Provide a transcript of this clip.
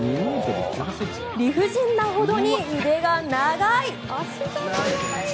理不尽なほどに腕が長い！